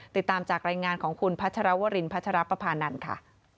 ติดตามจากรายงานของคุณพัชรวรินพัชรปภานันทร์ค่ะ